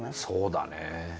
そうだね。